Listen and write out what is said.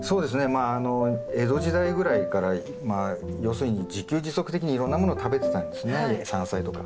まああの江戸時代ぐらいからまあ要するに自給自足的にいろんなもの食べてたんですね山菜とか。